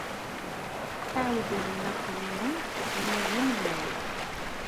Aɛudiw n Napoleon yella d amellal.